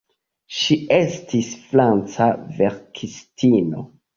Ŝi estis franca verkistino.